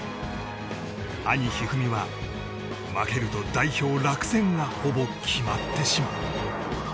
兄・一二三は負けると代表落選がほぼ決まってしまう。